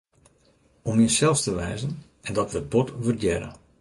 Om jinssels te wêzen, en dat wurdt bot wurdearre.